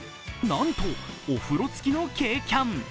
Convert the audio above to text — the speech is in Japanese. なんとお風呂付きの軽キャン。